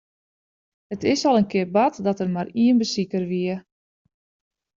It is al in kear bard dat der mar ien besiker wie.